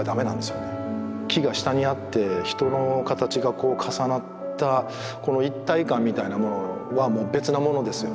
木が下にあって人の形がこう重なったこの一体感みたいなものはもう別なものですよね。